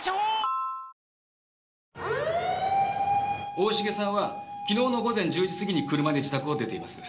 大重さんは昨日の午前１０時過ぎに車で自宅を出ています。